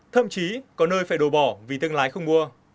thậm chí có nơi phải đồ bỏ vì tương lái không mua